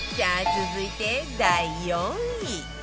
続いて第４位